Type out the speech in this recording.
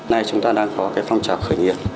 nay chúng ta đang có phong trào khởi nghiệp